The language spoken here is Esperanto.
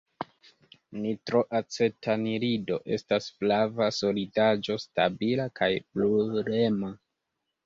Nitroacetanilido estas flava solidaĵo stabila kaj brulema.